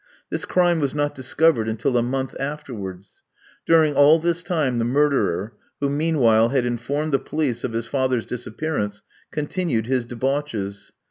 This crime was not discovered until a month afterwards. During all this time the murderer, who meanwhile had informed the police of his father's disappearance, continued his debauches.